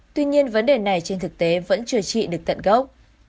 tuy nhiên vấn đề này trên thực tế vẫn chưa trị được tận gốc